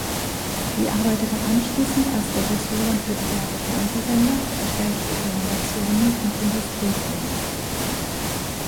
Sie arbeitete anschließend als Regisseurin für diverse Fernsehsender, erstellte Dokumentationen und Industriefilme.